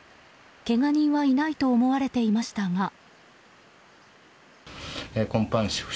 けが人はいないと思われていましたが。